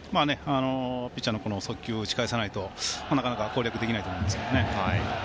ピッチャーの速球打ち返さないとなかなか攻略できないと思います。